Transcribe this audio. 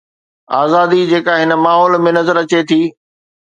آزادي جيڪا هن ماحول ۾ نظر اچي ٿي.